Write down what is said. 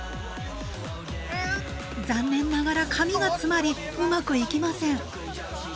残念ながら紙が詰まりうまくいきません。